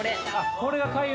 これが開運？